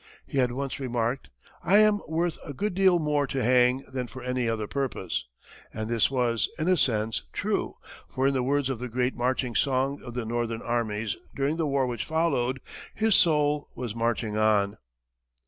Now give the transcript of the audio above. He had once remarked, "I am worth a good deal more to hang than for any other purpose," and this was, in a sense, true, for in the words of the great marching song of the Northern armies during the war which followed, "his soul was marching on."